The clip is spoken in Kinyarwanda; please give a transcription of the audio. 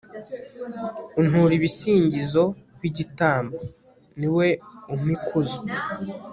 untura ibisingizo ho igitambo, ni we umpa ikuzo